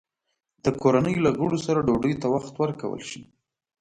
د کورنۍ له غړو سره ډوډۍ ته وخت ورکول شي؟